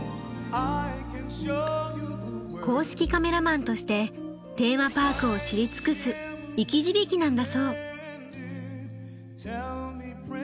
公式カメラマンとしてテーマパークを知り尽くす生き字引なんだそう。